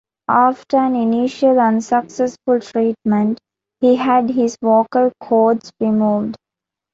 After an initial unsuccessful treatment, he had his vocal chords removed.